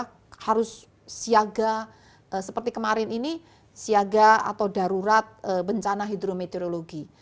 kita harus siaga seperti kemarin ini siaga atau darurat bencana hidrometeorologi